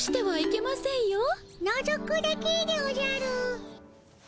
・のぞくだけでおじゃる。